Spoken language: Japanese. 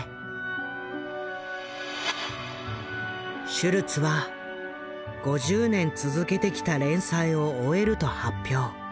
シュルツは５０年続けてきた連載を終えると発表。